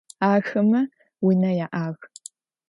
Axeme vune ya'ağ.